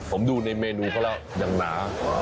ผมดูในเมนูเขาแล้วยังหนา